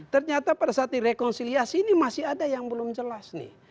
ternyata pada saat direkonsiliasi ini masih ada yang belum jelas nih